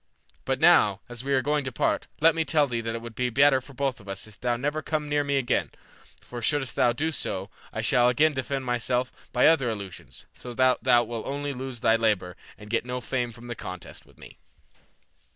But now, as we are going to part, let me tell thee that it will be better for both of us if thou never come near me again, for shouldst thou do so, I shall again defend myself by other illusions, so that thou wilt only lose thy labor and get no fame from the contest with me."